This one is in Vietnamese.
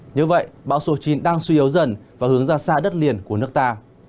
như vậy bão số chín đang suy yếu dần và hướng ra xa đất liền của nước ta